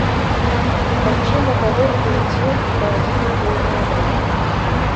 Магчыма, гаворка ідзе пра адзін і той жа абраз.